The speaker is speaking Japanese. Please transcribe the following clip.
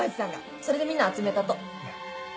それでみんな集めたと。